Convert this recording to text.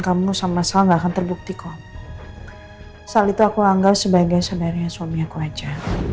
kamu sama sal gak akan terbukti kok sal itu aku anggap sebagai saudaranya suami aku aja